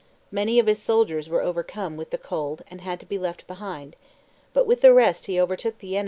Many of .his soldiers were overcome with the cold and had to be left behind, but with the rest he overtook the VOL.